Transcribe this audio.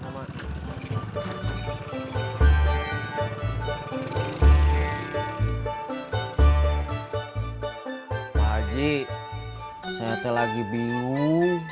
pak haji saya tadi lagi bingung